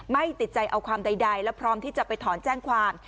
ไม่ติดใจเอาความใดและพร้อมที่จะไปถอนแจ้งความ